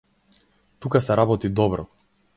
Тука се работи добро.